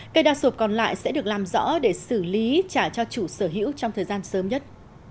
cây đa sộp còn lại sẽ được làm rõ để xử lý trả cho chủ sở hữu trong thời gian sớm nhất